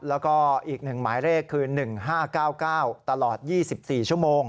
แล้วก็อีก๑หมายเลขคือ๑๕๙๙ตลอด๒๔ชั่วโมง